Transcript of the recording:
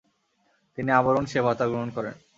তিনি আমরণ সে ভাতা গ্রহণ করেন।